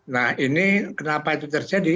nah ini kenapa itu terjadi